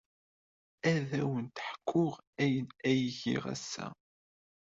Ad awen-d-ḥkuɣ ayen ay giɣ ass-a.